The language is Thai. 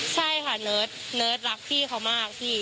ใช่ค่ะเนิร์ดเนิร์ดรักพี่เขามาก